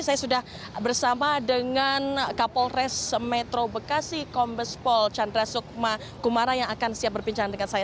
saya sudah bersama dengan kapolres metro bekasi kombespol chandra sukma kumara yang akan siap berbincang dengan saya